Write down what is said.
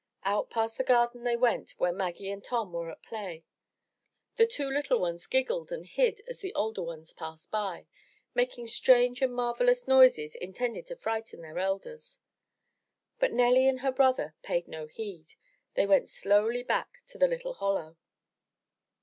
Out past the garden they went where Maggie and Tom were at play. The two little ones giggled and hid as the older ones passed by, making strange and marvelous noises intended to frighten their elders. But Nelly and her brother paid no heed. They went slowly back to the little hollow.